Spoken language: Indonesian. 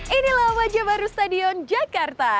inilah wajah baru stadion jakarta